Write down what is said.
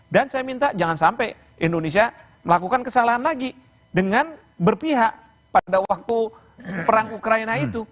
dan saya minta jangan sampai indonesia melakukan kesalahan lagi dengan berpihak pada waktu perang ukraina itu